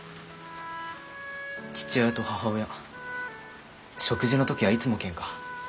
父親と母親食事の時はいつもケンカ。